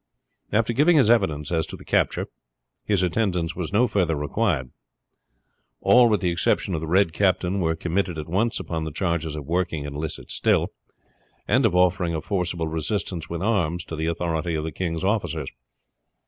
After giving his evidence as to the capture, his attendance was no further required. All with the exception of the Red Captain were committed at once upon the charges of working an illicit still, and of offering a forcible resistance with arms to the authority of the king's officers.